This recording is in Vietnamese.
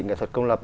nghệ thuật công lập